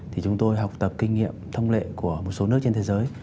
thì chúng tôi học tập kinh nghiệm thông lệ của một số nước trên thế giới